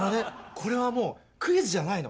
これはもうクイズじゃないの。